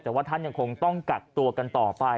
แต่ว่าท่านยังคงต้องกักตัวกันต่อไป